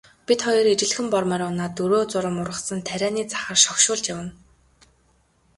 Бид хоёр ижилхэн бор морь унаад дөрөө зурам ургасан тарианы захаар шогшуулж явна.